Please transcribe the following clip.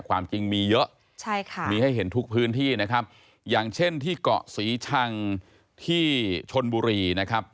ความจริงมีเยอะใช่ค่ะมีให้เห็นทุกพื้นที่นะครับอย่างเช่นที่เกาะศรีชังที่ชนบุรีนะครับ